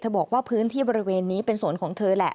บอกว่าพื้นที่บริเวณนี้เป็นสวนของเธอแหละ